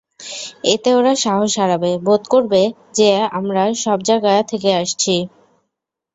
এতে ওরা সাহস হারাবে, বোধ করবে যে আমরা সবজায়গা থেকে আসছি।